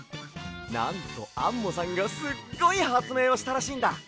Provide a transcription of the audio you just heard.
なんとアンモさんがすっごいはつめいをしたらしいんだ。